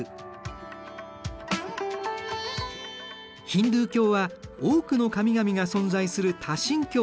ヒンドゥー教は多くの神々が存在する多神教。